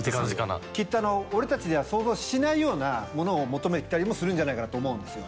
きっと俺たちでは想像しないようなものを求めてたりもするんじゃないかなと思うんですよ。